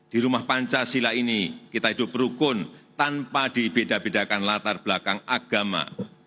di rumah pancasila ini kita hidup berukun tanpa dibedakan latar belakang agama